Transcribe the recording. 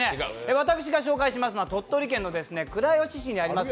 私が紹介しますのは鳥取県の倉吉市にあります